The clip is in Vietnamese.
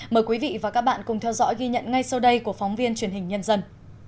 mời quý vị và các bạn cùng theo dõi ghi nhận ngay sau đây của phóng viên truyền hình nhân dân